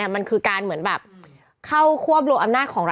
มันคือการเปลี่ยนระบอบการปกครอง